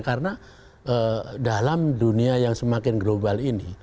karena dalam dunia yang semakin global ini